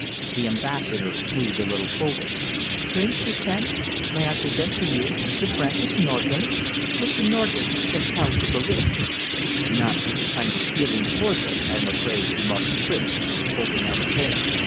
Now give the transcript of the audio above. The Ambassador moved a little forward. "Prince," she said, "may I present to you Mr. Francis Norgate? Mr. Norgate has just come from Berlin." "Not with the kindliest feelings towards us, I am afraid," remarked the Prince, holding out his hand.